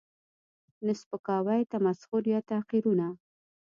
، نه سپکاوی، تمسخر یا تحقیرونه